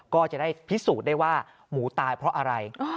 ก็จะได้พิสูจน์ได้ว่าหมูตายเพราะอะไร